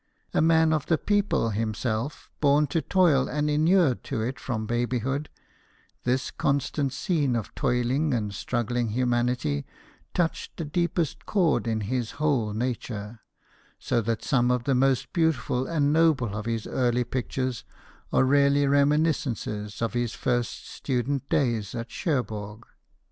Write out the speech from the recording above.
A man of the people himself, born to toil and inured to it from babyhood, this constant scene of toiling and struggling humanity touched the deepest chord in his whole nature, so that some of the most beautiful and noble of his early pictures are really remi niscences of his first student days at Cherbourg.